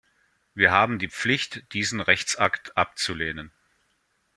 Wir haben die Pflicht, diesen Rechtsakt abzulehnen.